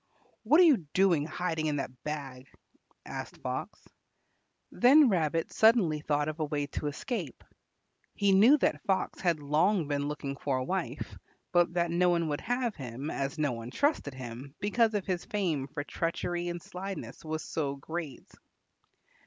"What are you doing, hiding in the bag?" asked Fox. Then Rabbit suddenly thought of a way of escape. He knew that Fox had long been looking for a wife, but that no one would have him as no one trusted him because his fame for treachery and slyness was so great.